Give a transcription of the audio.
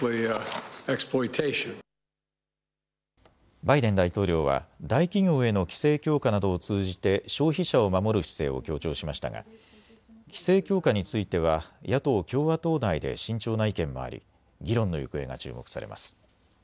バイデン大統領は大企業への規制強化などを通じて消費者を守る姿勢を強調しましたが規制強化については野党・共和党内で慎重な意見もあり議論の行方が注目されます。